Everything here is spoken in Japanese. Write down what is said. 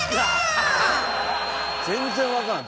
全然分からん。